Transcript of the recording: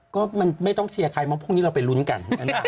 ก็มันไม่ต้องเชียร์ใครเพราะพรุ่งนี้เราไปลุ้นกัน